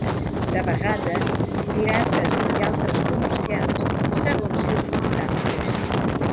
De vegades pirates i altres comerciants, segons circumstàncies.